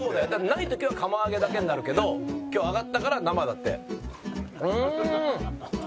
ない時は釜揚げだけになるけど今日は揚がったから生だって。